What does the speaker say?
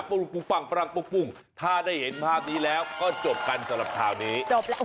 ปวงปวงปวงปวงบุ้งถ้าได้เห็นภาพนี้แล้วก็จบกันสำหรับชาวนี้